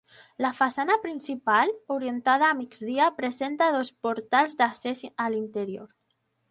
La façana principal, orientada a migdia, presenta dos portals d'accés a l'interior.